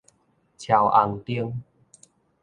超紅燈